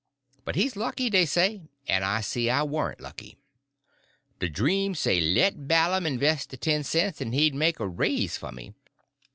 But he's lucky, dey say, en I see I warn't lucky. De dream say let Balum inves' de ten cents en he'd make a raise for me.